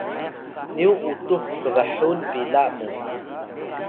nyu utux kbhun pila mu